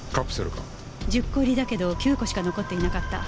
１０個入りだけど９個しか残っていなかった。